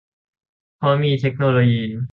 เพราะมีเทคโนโลยี